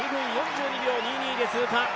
２分４２秒２２で通過。